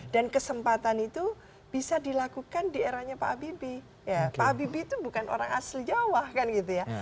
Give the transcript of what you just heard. dan kesempatan itu bisa dilakukan di eranya pak habibie pak habibie itu bukan orang asli jawa kan gitu ya